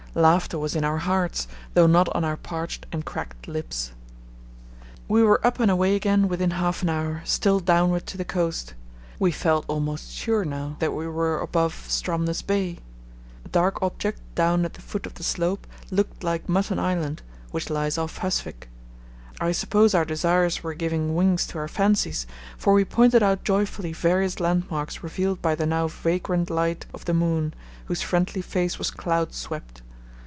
Laughter was in our hearts, though not on our parched and cracked lips. We were up and away again within half an hour, still downward to the coast. We felt almost sure now that we were above Stromness Bay. A dark object down at the foot of the slope looked like Mutton Island, which lies off Husvik. I suppose our desires were giving wings to our fancies, for we pointed out joyfully various landmarks revealed by the now vagrant light of the moon, whose friendly face was cloud swept.